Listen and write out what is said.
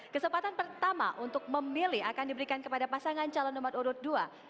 kesempatan pertama untuk memilih akan diberikan kepada pasangan calon nomor urut dua